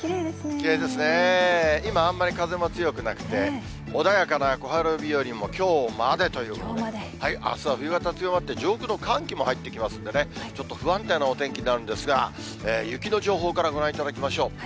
きれいですね、今、あんまり風も強くなくて、穏やかな小春日和もきょうまでということで、あすは冬型が強まって、上空の寒気も入ってきますんでね、ちょっと不安定なお天気になるんですが、雪の情報からご覧いただきましょう。